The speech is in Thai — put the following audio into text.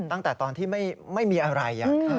ตั้งแต่ตอนที่ไม่มีอะไร